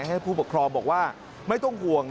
ให้ผู้ปกครองบอกว่าไม่ต้องห่วง